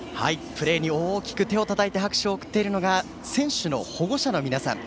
プレーに大きく手をたたいて拍手を送っているのが選手の保護者の皆さん。